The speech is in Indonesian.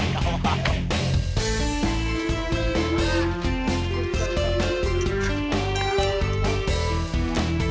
jangan lupa like share dan subscribe channel ini